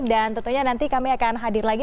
dan tentunya nanti kami akan hadir lagi